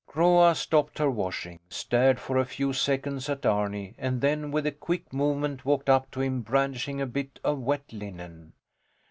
Groa stopped her washing, stared for a few seconds at Arni, and then with a quick movement walked up to him, brandishing a bit of wet linen.